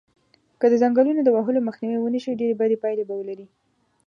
که د ځنګلونو د وهلو مخنیوی و نشی ډیری بدی پایلی به ولری